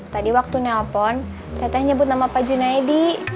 tadi waktu nelpon teteh nyebut nama pak junaidi